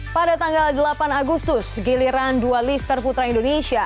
pada tanggal delapan agustus giliran dua lifter putra indonesia